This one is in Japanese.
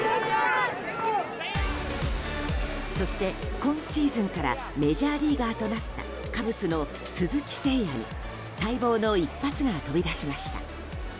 そして、今シーズンからメジャーリーガーとなったカブスの鈴木誠也に待望の一発が飛び出しました。